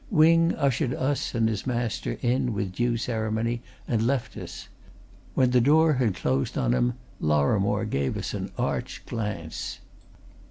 Wing ushered us and his master in with due ceremony and left us; when the door had closed on him, Lorrimore gave us an arch glance.